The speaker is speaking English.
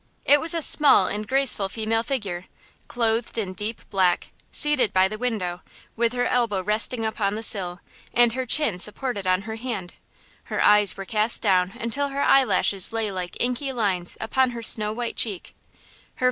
It was a small and graceful female figure, clothed in deep black, seated by the window, with her elbow resting upon the sill and her chin supported on her hand. Her eyes were cast down until her eyelashes lay like inky lines upon her snow white cheek.